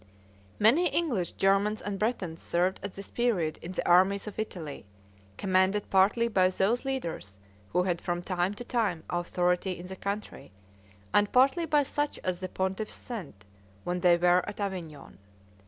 Many English, Germans, and Bretons served at this period in the armies of Italy, commanded partly by those leaders who had from time to time authority in the country, and partly by such as the pontiffs sent, when they were at Avignon.